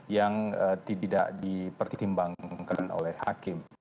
yang tidak dipertimbangkan oleh hakim